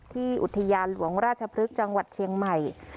ที่อุทยานหลวงราชพฤกษ์จังหวัดเชียงใหม่